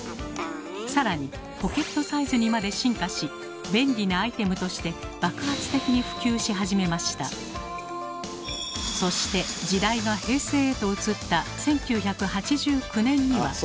更にポケットサイズにまで進化し便利なアイテムとしてそして時代が平成へと移った１９８９年には。